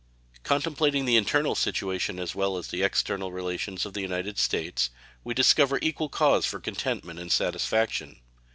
Contemplating the internal situation as well as the external relations of the United States, we discover equal cause for contentment and satisfaction.